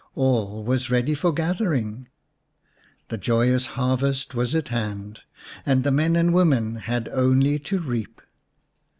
All was ready for gathering, the joyous harvest was at hand, and the men and women had only to reap.